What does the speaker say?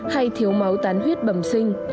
hay thiếu máu tán huyết bẩm sinh